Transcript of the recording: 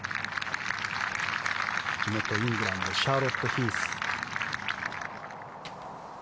地元イングランドシャーロット・ヒース。